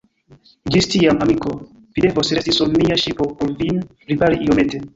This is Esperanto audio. Ĝis tiam, amiko, vi devos resti sur mia ŝipo por vin ripari iomete.